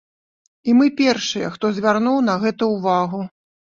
І мы першыя, хто звярнуў на гэта ўвагу.